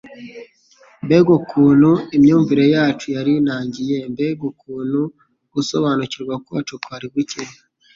Mbega ukuntu imyumvire yacu yari inangiye ! Mbega ukuntu gusobanukirwa kwacu kwari guke !